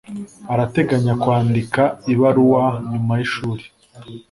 Arateganya kwandika ibaruwa nyuma yishuri.